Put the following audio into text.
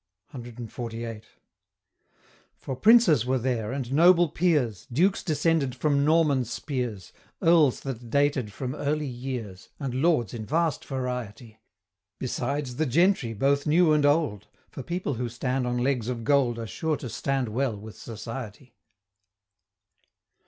CXLVIII. For Princes were there, and Noble Peers; Dukes descended from Norman spears; Earls that dated from early years; And lords in vast variety Besides the Gentry both new and old For people who stand on legs of gold Are sure to stand well with society.